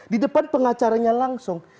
di depan pengacaranya langsung